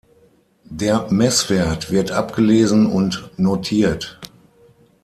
Der Messwert wird abgelesen und notiert.